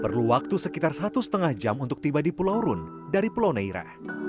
perlu waktu sekitar satu lima jam untuk tiba di pulau rune dari pulau neira